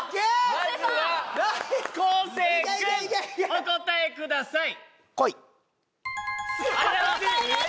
まずは昴生君お答えください正解です